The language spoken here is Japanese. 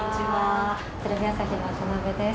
テレビ朝日の渡辺です。